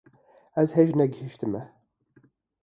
Ez hêj ne gehîştime